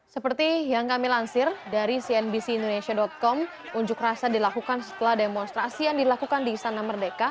seperti yang kami lansir dari cnbc indonesia com unjuk rasa dilakukan setelah demonstrasi yang dilakukan di istana merdeka